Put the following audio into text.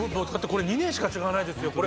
これ２年しか違わないですよ。